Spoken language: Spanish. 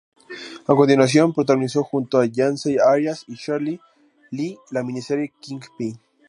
A continuación, protagonizó junto a Yancey Arias y Sheryl Lee la miniserie "Kingpin".